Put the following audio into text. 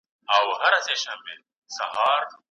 وترنري پوهنځۍ بې دلیله نه تړل کیږي.